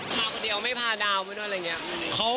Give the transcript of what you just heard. มากเดียวไม่พาดาวน์ไว้ด้วยอะไรอย่างเงี้ย